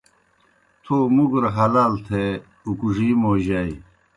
تھو مُگر حلال تھے اُکڙی موجائے۔